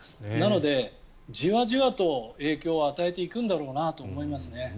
なので、じわじわと影響を与えていくんだろうなと思いますね。